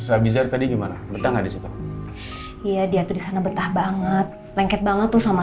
abisertadi gimana betah nggak di situ iya dia tuh di sana betah banget lengket banget tuh sama